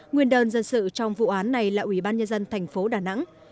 nguyên đơn dân sự trong vụ án này là ủy ban nhân dân tp đà nẵng